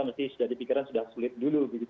mesti sudah dipikirkan sudah sulit dulu